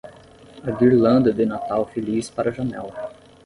A guirlanda de Natal feliz para a janela.